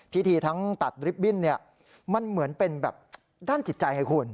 พิธีทั้งตัดริบิ้นมันเหมือนเป็นแบบด้านจิตใจให้คุณ